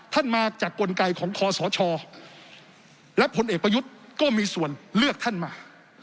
ท่านมาจากกลไกของคอสชและผลเอกประยุทธ์ก็มีส่วนเลือกท่านมา